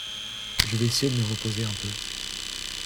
Je vais essayer de me reposer un peu.